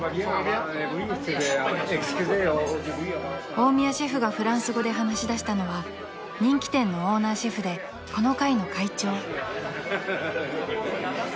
［大宮シェフがフランス語で話しだしたのは人気店のオーナーシェフでこの会の会長］